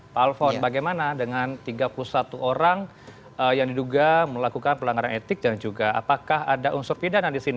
pak alfon bagaimana dengan tiga puluh satu orang yang diduga melakukan pelanggaran etik dan juga apakah ada unsur pidana di sini